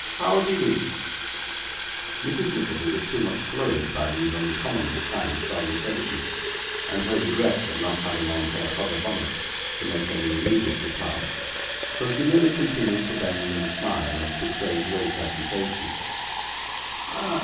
'How de do?' Mrs. Nickleby was too much flurried by these uncommonly kind salutations, and her regrets at not having on her other bonnet, to make any immediate reply, so she merely continued to bend and smile, and betray great agitation.